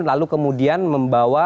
lalu kemudian membawa